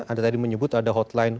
anda tadi menyebut ada hotline